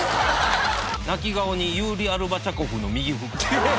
泣き顔に勇利アルバチャコフの右フック。